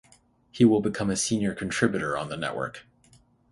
He will become a senior contributor on the network.